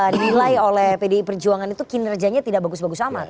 dinilai oleh pdi perjuangan itu kinerjanya tidak bagus bagus amat